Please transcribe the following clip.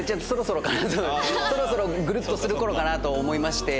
そろそろぐるっとする頃かなと思いまして。